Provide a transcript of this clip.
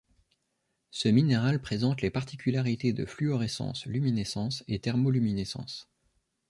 Ce minéral présente les particularités de fluorescence, luminescence et thermoluminescence.